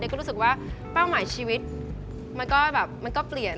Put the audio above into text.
เด็กก็รู้สึกว่าเป้าหมายชีวิตมันก็เปลี่ยน